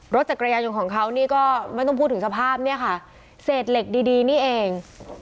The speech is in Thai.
รถจักรยานยนต์ของเขานี่ก็ไม่ต้องพูดถึงสภาพเนี่ยค่ะเศษเหล็กดีดีนี่เอง